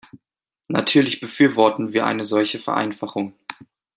Natürlich befürworten wir eine solche Vereinfachung.